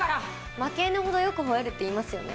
負け犬ほどよくほえるって言いますよね・